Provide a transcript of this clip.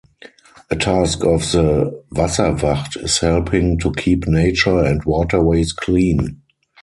A task of the Wasserwacht is helping to keep nature and waterways clean.